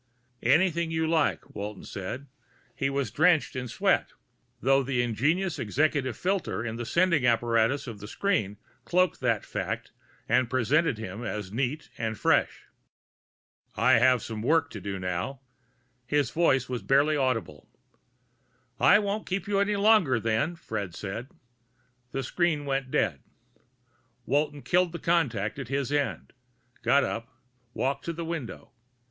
"Anything you like," Walton said. He was drenched in sweat, though the ingenious executive filter in the sending apparatus of the screen cloaked that fact and presented him as neat and fresh. "I have some work to do now." His voice was barely audible. "I won't keep you any longer, then," Fred said. The screen went dead. Walton killed the contact at his end, got up, walked to the window.